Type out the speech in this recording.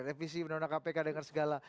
revisi menolak kpk dengan segala